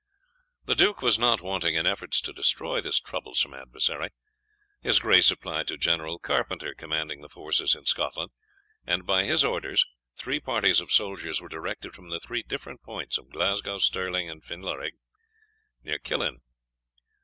The Duke was not wanting in efforts to destroy this troublesome adversary. His Grace applied to General Carpenter, commanding the forces in Scotland, and by his orders three parties of soldiers were directed from the three different points of Glasgow, Stirling, and Finlarig near Killin.